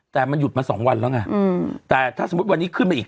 แต่มันหยุดมาสองวันแล้วไงแต่ถ้าสมมุติวันนี้ขึ้นมาอีก